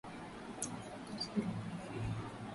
Rauka asubuhi na mapema